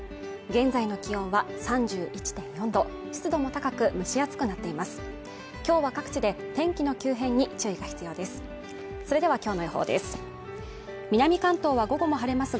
現在の気温は３１．４度湿度も高く蒸し暑くなっています